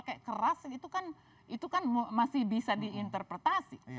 kayak keras itu kan masih bisa diinterpretasi